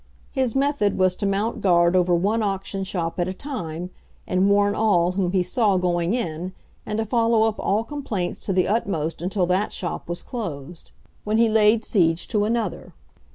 His method was to mount guard over one auction shop at a time, and warn all whom he saw going in, and to follow up all complaints to the utmost until that shop was closed, when he laid siege to another.